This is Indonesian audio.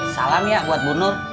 salam ya buat bu nur